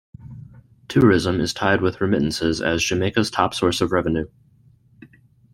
Tourism is tied with remittances as Jamaica's top source of revenue.